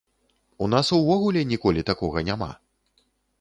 У нас увогуле ніколі такога няма.